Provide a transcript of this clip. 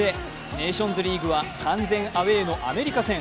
ネーションズリーグは完全アウェーのアメリカ戦。